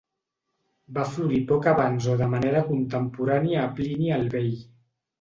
Va florir poc abans o de manera contemporània a Plini el Vell.